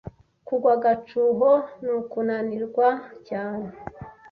Kugwa agacuho n’ukunanirwa cyane